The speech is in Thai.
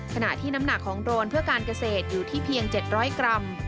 ขณะที่น้ำหนักของโดรนเพื่อการเกษตรอยู่ที่เพียง๗๐๐กรัม